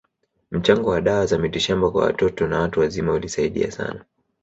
Mchango wa dawa za mitishamba kwa watoto na watu wazima ulisaidia sana